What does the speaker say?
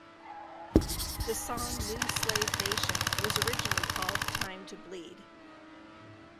The song "New Slave Nation" was originally called "Time to Bleed.